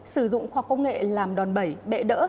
sử dụng khoa công nghệ làm đòn bẩy bệ đỡ